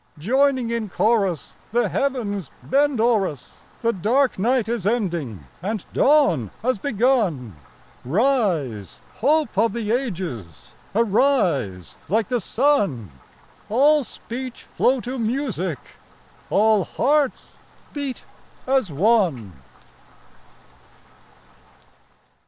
joining in chorus The heavens bend o'er us' The dark night is ending and dawn has begun; Rise, hope of the ages, arise like the sun, All speech flow to music, all hearts beat as one!